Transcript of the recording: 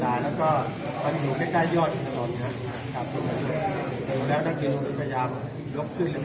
และนักเรียนจะลดขึ้น